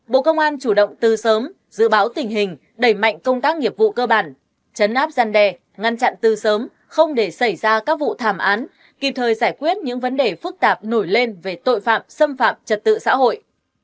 bộ công an chủ động tư sớm dự báo tình hình đẩy mạnh công tác nghiệp vụ cơ bản chấn áp gian đe ngăn chặn tư sớm không để xảy ra các vụ thảm án kịp thời giải quyết những vấn đề phức tạp nổi lên về tội phạm xâm phạm trật tự xã hội